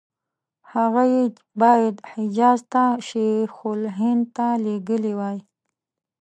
هغه یې باید حجاز ته شیخ الهند ته لېږلي وای.